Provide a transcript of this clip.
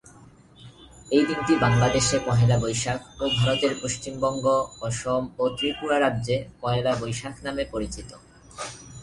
এই দিনটি বাংলাদেশে "পহেলা বৈশাখ" ও ভারতের পশ্চিমবঙ্গ, অসম ও ত্রিপুরা রাজ্যে "পয়লা বৈশাখ" নামে পরিচিত।